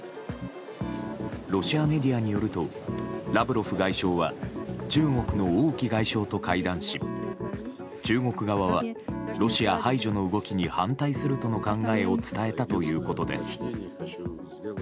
ロシアメディアによるとラブロフ外相は中国の王毅外相と会談し中国側は、ロシア排除の動きに反対するとの考えを伝えたということです。